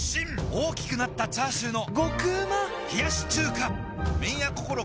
大きくなったチャーシューの麺屋こころ